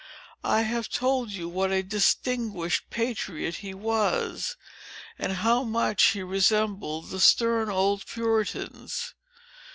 I have told you what a distinguished patriot he was, and how much he resembled the stern old Puritans.